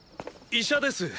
医者です。